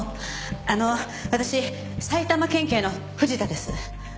あの私埼玉県警の藤田です。